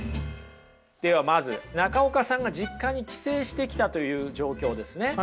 ではまず中岡さんが実家に帰省してきたという状況ですね。